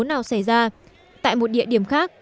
nào xảy ra tại một địa điểm khác